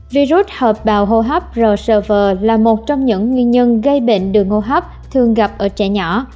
virus hợp bào hô hấp r slver là một trong những nguyên nhân gây bệnh đường hô hấp thường gặp ở trẻ nhỏ